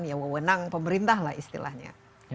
ya wewenang pemerintah lah istilahnya